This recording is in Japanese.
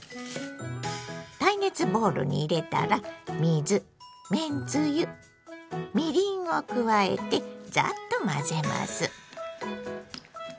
耐熱ボウルに入れたら水めんつゆみりんを加えてザッと混ぜます。